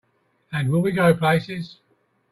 And will we go places!